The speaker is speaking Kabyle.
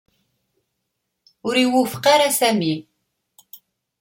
Ur iwufeq ara Sami.